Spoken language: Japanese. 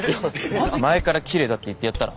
前からきれいだって言ってやったら？